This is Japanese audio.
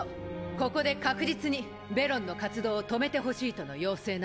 ここで確実にベロンの活動を止めてほしいとの要請なの。